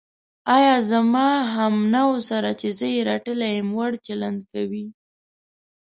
ایا زما همنوعو سره چې زه یې رټلی یم، وړ چلند کوې.